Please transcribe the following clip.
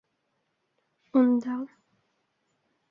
Унда!..